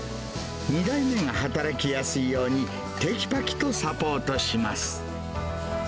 ２代目が働きやすいように、てきぱきとサポートします。